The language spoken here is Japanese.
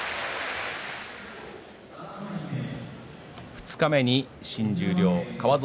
二日目に新十両川副